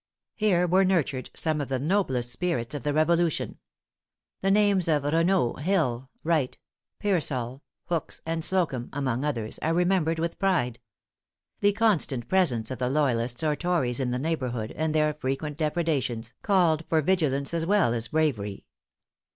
Here were nurtured some of the noblest spirits of the Revolution. The names of Renau, Hill, Wright, Pearsall, Hooks, and Slocumb, among others, are remembered with pride. The constant presence of the loyalists or tories in the neighborhood, and their frequent depredations, called for vigilance as well as bravery.